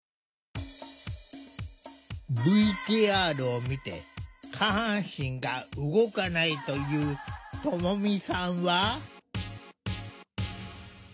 ＶＴＲを見て下半身が動かないというともみさんは。